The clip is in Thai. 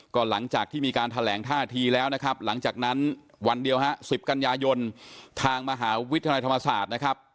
ก็หลังจากที่มีการแถลงท่าทีแล้วนะครับหลังจากนั้นวันเดียวฮะ๑๐กันยายนทางมหาวิทยาลัยธรรมศาสตร์นะครับ